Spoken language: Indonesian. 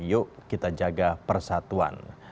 yuk kita jaga persatuan